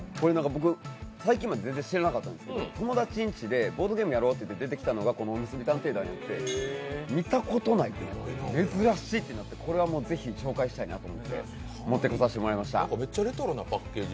最近まで全然知らなかったんですけど、友達の家でボードゲームやろうって言って出てきたのが、この「おむすび探偵団」で、見たことないと思って珍しっ！となってこれはもうぜひ紹介したいなと思って持ってこさせてもらいました。